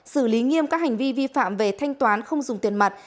xử lý nghiêm các hành vi vi phạm về thanh toán không dùng tiền mặt